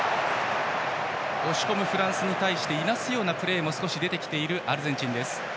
押し込むフランスに対していなすようなプレーも少し出てきているアルゼンチン。